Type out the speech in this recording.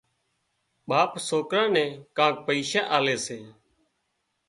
ٻاپ سوڪران نين ڪانڪ پئشا آلي سي